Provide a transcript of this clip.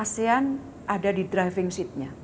asean ada di driving seat nya